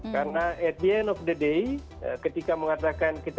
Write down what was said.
karena at the end of the day ketika kita mengatakan asean metricity